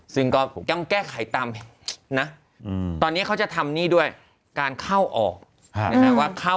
ซึ่งก็แก้ไขตามตอนนี้เขาจะทำนี่ด้วยการเข้าออก